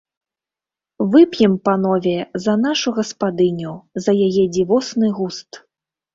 Вып'ем, панове, за нашу гаспадыню, за яе дзівосны густ!